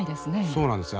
そうなんですよ。